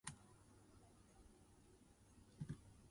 新婦哭禮數，女兒哭腹肚